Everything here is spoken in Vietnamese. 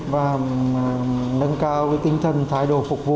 và nâng cao tinh thần thái độ phục vụ